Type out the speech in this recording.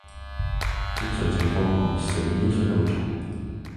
正常情況唔死都傷得好重